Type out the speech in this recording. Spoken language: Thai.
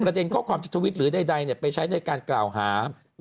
ข้อความจะทวิตหรือใดไปใช้ในการกล่าวหา